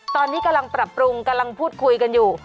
ตอนนี้กำลังปรับปรุงกำลังพูดคุยกันอยู่